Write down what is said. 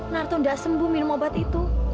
narto tidak sembuh minum obat itu